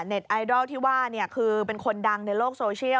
ไอดอลที่ว่าคือเป็นคนดังในโลกโซเชียล